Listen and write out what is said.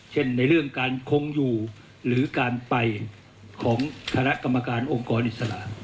ในเรื่องการคงอยู่หรือการไปของคณะกรรมการองค์กรอิสระ